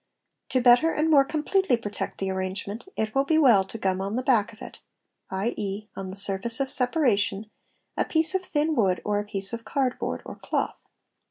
To better and more completely protect the arrangement it will be well to gum on the back of it (2.e., on the surface of separation) a piece of thin wood, or a ) piece of card board or cloth.